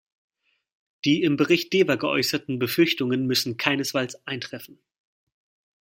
Die im Bericht Deva geäußerten Befürchtungen müssen keinesfalls eintreffen.